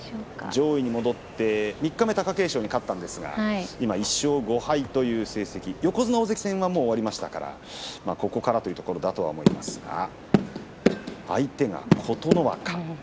上位に戻って三日目貴景勝に勝ったんですが今、１勝５敗という成績横綱大関戦は終わりましたからここからというところだと思いますが相手が琴ノ若。